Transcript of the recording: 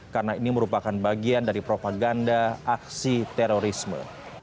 karena ini merupakan bagian dari propaganda aksi terorisme